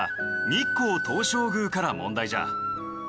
日光東照宮から問題じゃ。